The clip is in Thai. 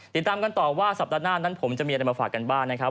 ติดตามกันต่อว่าสัปดาห์หน้านั้นผมจะมีอะไรมาฝากกันบ้างนะครับ